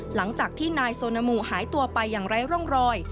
หลังจากที่นายโซนามูหายตัวไปอย่างไร้ร่องรอย